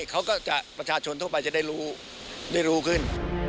เขาก็จะประชาชนทั่วไปจะได้รู้ได้รู้ขึ้น